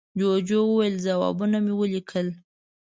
جوجو وویل، ځوابونه مې وليکل.